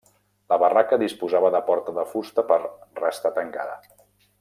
La barraca disposava de porta de fusta per restar tancada.